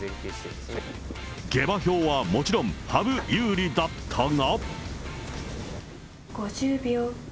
下馬評はもちろん羽生有利だったが。